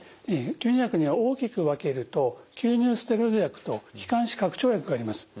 吸入薬には大きく分けると吸入ステロイド薬と気管支拡張薬があります。